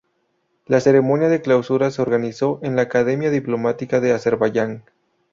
La ceremonia de clausura se organizó en la Academia Diplomática de Azerbaiyán.